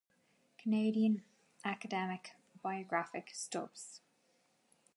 Canadian academic biography stubs